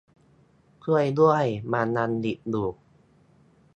ช่วยด้วยมันยังดิบอยู่